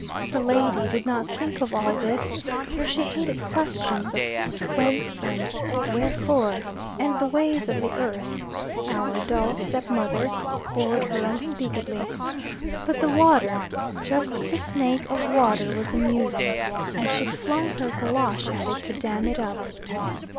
The lady did not think of all this, for she hated questions of whence and wherefore, and the ways of the earth ("our dull stepmother") bored her unspeakably. But the water, just the snake of water, was amusing, and she flung her golosh at it to dam it up.